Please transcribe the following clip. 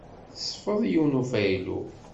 Tesfeḍ yiwen n ufaylu.